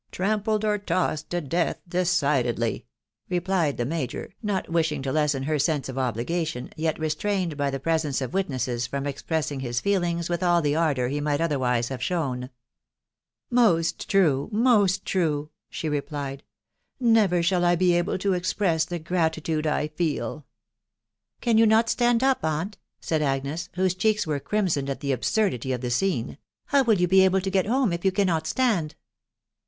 trampled or tossed to death decidedly," replied the major, not wishing to lessen her sense of obligation, yet restrained by the presence of wit nesses from expressing his feelings with all the ardour he might otherwise have shown. " Most true !— most true !" she replied. ec Never shall I be able to express the gratitude I feel !"" Can you not stand up, aunt ?" said Agnes, whose cheeks were crimsoned at the absurdity of the scene. " How will you he able to get home if you cannot stand